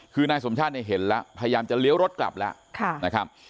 คือนายสมชาติเห็นแล้วพยายามจะเลี้ยวรถกลับแล้ว